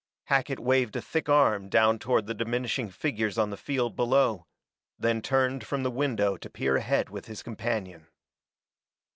Hackett waved a thick arm down toward the diminishing figures on the field below; then turned from the window to peer ahead with his companion.